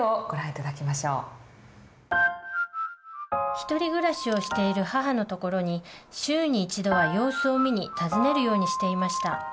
ひとり暮らしをしている母の所に週に一度は様子を見に訪ねるようにしていました。